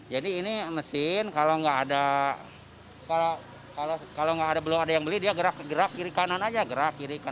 jadi ini mesin kalau belum ada yang beli dia gerak kiri kanan saja